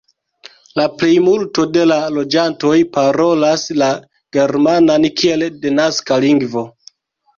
La plejmulto de la loĝantoj parolas la germanan kiel denaska lingvo.